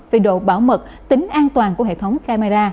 về độ bảo mật tính an toàn của hệ thống camera